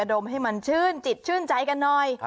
ดมให้มันชื่นจิตชื่นใจกันหน่อย